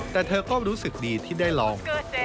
แต่เธอก็รู้สึกดีที่ได้ลอง